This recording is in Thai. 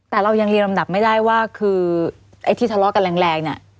แต่เรายังเรียงลำดับไม่ได้ว่าคือไอ้ที่ทะเลาะกันแรงเนี่ย